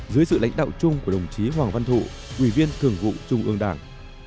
dưới sự lãnh đạo chung của đồng chí hoàng văn thụ ủy viên thường vụ trung ương đảng